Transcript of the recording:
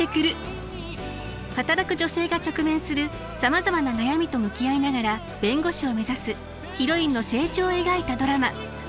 働く女性が直面するさまざまな悩みと向き合いながら弁護士を目指すヒロインの成長を描いたドラマ。